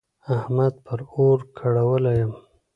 احمد پر اور کړولی يم.